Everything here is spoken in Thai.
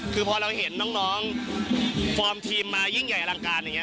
คือพอเราเห็นน้องฟอร์มทีมมายิ่งใหญ่อลังการอย่างนี้